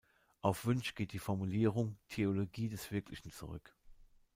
Auf Wünsch geht die Formulierung „Theologie des Wirklichen“ zurück.